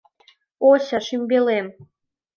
Ося, шӱмбелем!